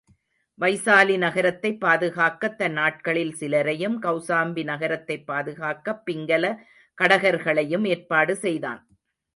வைசாலிநகரத்தைப் பாதுகாக்கத் தன் ஆட்களில் சிலரையும், கௌசாம்பி நகரத்தைப் பாதுகாக்கப் பிங்கல கடகர்களையும் ஏற்பாடு செய்தான்.